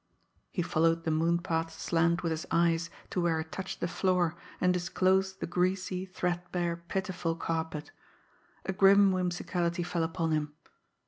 He followed the moonpath's slant with his eyes to where it touched the floor and disclosed the greasy, threadbare, pitiful carpet. A grim whimsicality fell upon him.